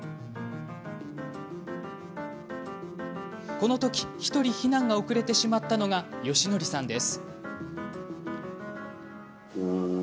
このとき、１人避難が遅れてしまったのが芳徳さんです。